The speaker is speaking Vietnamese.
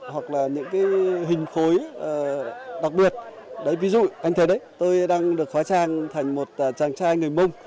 hoặc là những hình khối đặc biệt ví dụ anh thầy đấy tôi đang được hóa trang thành một chàng trai người mông